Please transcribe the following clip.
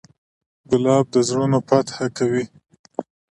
ګلاب د زړونو فتحه کوي.